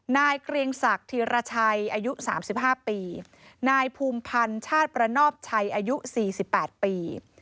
นายเกรงศักดิ์ธีรชัยอายุสามสิบห้าปีนายภูมิพันธ์ชาติประนอบชัยอายุสี่สิบแปดปี